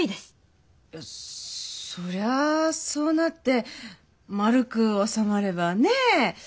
そりゃあそうなって丸く収まればねえ？